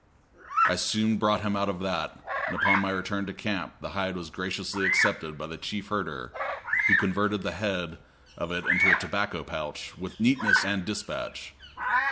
I soon brought him out of that, and upon my return to camp the hide was graciously accepted by the chief herder, who converted the head of it into a tobacco pouch with neatness and dispatch.